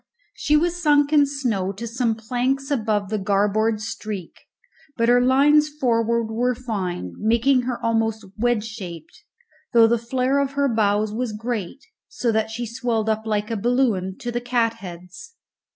She was sunk in snow to some planks above the garboard streak, but her lines forward were fine, making her almost wedge shaped, though the flair of her bows was great, so that she swelled up like a balloon to the catheads.